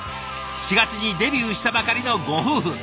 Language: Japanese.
４月にデビューしたばかりのご夫婦。